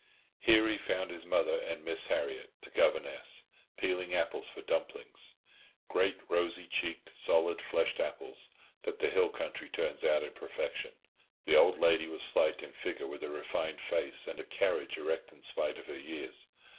Here he found his mother and Miss Harriott, the governess, peeling apples for dumplings—great rosy checked, solid fleshed apples, that the hill country turns out in perfection. The old lady was slight in figure, with a refined face, and a carriage erect in spite of her years.